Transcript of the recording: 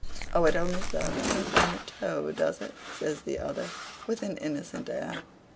"Oh! it only serves to inflame the toe, does it?" says the other, with an innocent air.